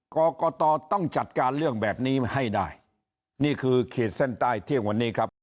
กรกตต้องจัดการเรื่องแบบนี้ให้ได้นี่คือขีดเส้นใต้เที่ยงวันนี้ครับ